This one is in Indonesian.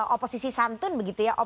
oposisi santun begitu ya